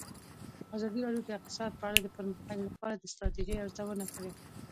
ازادي راډیو د اقتصاد په اړه د پرمختګ لپاره د ستراتیژۍ ارزونه کړې.